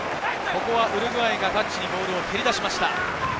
ここはウルグアイがタッチにボールを蹴り出しました。